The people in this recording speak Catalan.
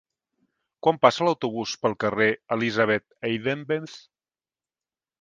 Quan passa l'autobús pel carrer Elisabeth Eidenbenz?